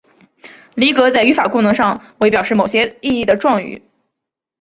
离格在语法功能上为表示某些意义的状语。